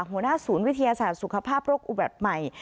หัวหน้าศูนย์วิทยาศาสตร์สุขภาพโรคอุบัติใหม่